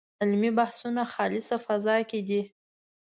علمي بحثونه خالصه فضا کې نه دي.